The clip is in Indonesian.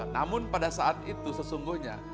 namun pada saat itu sesungguhnya